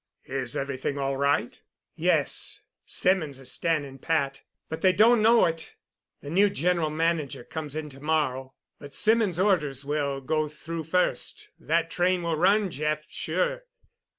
"Is everything all right?" "Yes, Symonds is standing pat, but they don't know it. The new General Manager comes in to morrow, but Symonds's orders will go through first. That train will run, Jeff—sure."